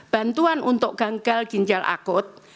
bantuan untuk gagal ginjal akut